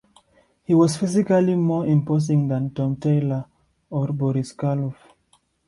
He was physically more imposing than Tom Tyler or Boris Karloff.